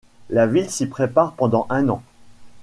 La ville s'y prépare pendant un an.